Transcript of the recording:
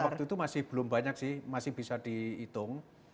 waktu itu masih belum banyak sih masih bisa dihitung